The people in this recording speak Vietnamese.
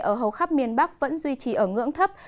ở hầu khắp miền bắc vẫn duy trì ở ngưỡng thấp